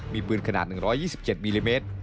มีปืนขนาด๑๒๗มิลลิเมตร